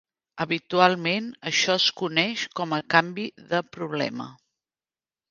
Habitualment, això es coneix com a canvi de problema.